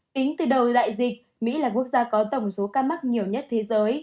tính từ đầu đại dịch mỹ là quốc gia có tổng số ca mắc nhiều nhất thế giới